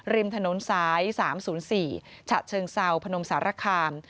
ริมถนนสายสามศูนย์สี่ฉะเชิงเศร้าพนมสารคาม